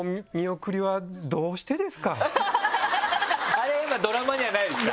あれドラマにはないですか？